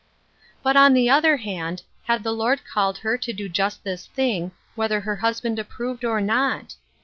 But, on the other hand, had the Lord called her to do just this thing, whether her husband approved or not